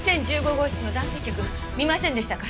号室の男性客見ませんでしたか？